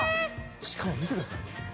しかも見てください。